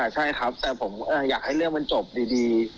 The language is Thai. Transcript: ใช่ครับแต่ผมอยากให้เรื่องมันจบดี